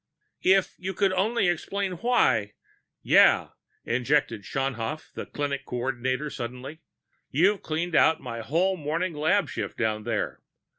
"If you could only explain why " "Yeah," interjected Schaunhaft, the clinic coordinator suddenly. "You cleaned out my whole morning lab shift down there.